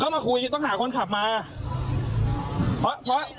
มาเคลียร์ยังไงมีความเคลียร์ขนาดนั้น